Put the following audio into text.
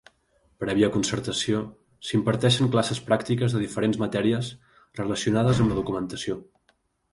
Prèvia concertació, s'hi imparteixen classes pràctiques de diferents matèries relacionades amb la documentació.